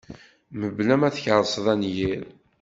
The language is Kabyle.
Mebla ma tkerseḍ anyir